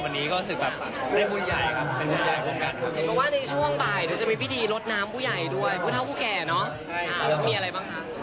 วันนี้ก็รู้สึกแบบได้บุญใหญ่ครับเป็นบุญใหญ่พรุ่งกันครับ